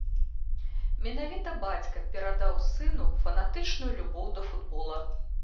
Менавіта бацька перадаў сыну фанатычную любоў да футбола.